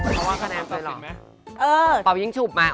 พาวว่าแค่แนนไปหรอครับดิหน่อย